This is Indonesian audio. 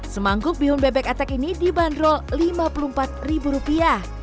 semangkuk bihun bebek atek ini dibanderol lima puluh empat ribu rupiah